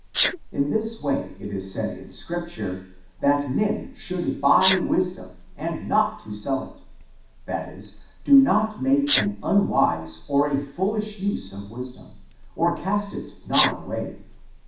In this way it is said in Scripture, that men should buy wisdom and aell it not; that is, do not make an unwise or a foolish use of wisdom, or cast it not away.